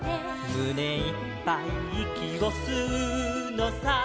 「むねいっぱいいきをすうのさ」